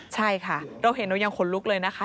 ใช่ค่ะเราเห็นแต่วันนี้ยังขนลุกเลยนะค่ะ